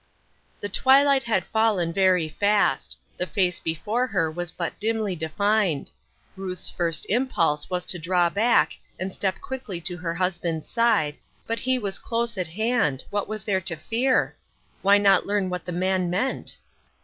The twilight had fallen very fast ; the face before her was but dimly defined ; Ruth's first impulse was to draw back, and step quickly to her husband's side, but he was close at hand. What was there to fear ? Why not learn what the man meant